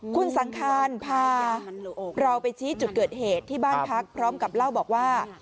คุณสังคารพาเราไปชี้จุดเกิดเหตุที่บ้านพักพร้อมกับเล่าบอกว่า